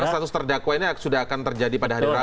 karena status terdakwa ini sudah akan terjadi pada hari rabu ya